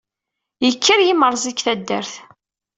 Yekker yimerẓi deg taddart.